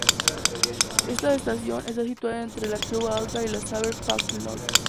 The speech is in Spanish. Esta estación está situada entre La Creu Alta y Sabadell Parc del Nord.